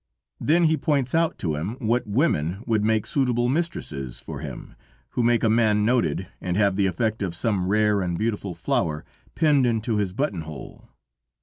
Then he points out to him what women would make suitable mistresses for him, who make a man noted, and have the effect of some rare and beautiful flower pinned into his buttonhole.